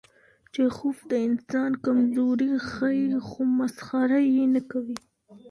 چیخوف د انسان کمزوري ښيي، خو مسخره یې نه کوي.